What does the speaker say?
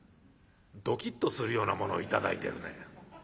「どきっとするようなもの頂いてるね。